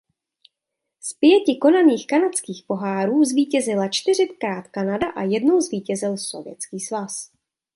Z pěti konaných Kanadských pohárů zvítězila čtyřikrát Kanada a jednou zvítězil Sovětský svaz.